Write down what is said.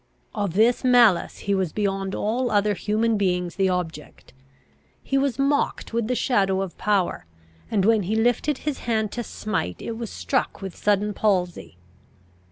"Of this malice he was beyond all other human beings the object. He was mocked with the shadow of power; and when he lifted his hand to smite, it was struck with sudden palsy.